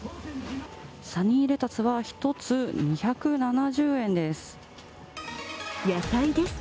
サニーレタスは１つ、２７０円です野菜です。